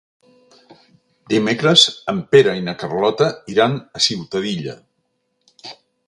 Dimecres en Pere i na Carlota iran a Ciutadilla.